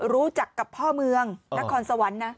รู้จักกับพ่อเมืองนครสวรรค์นะ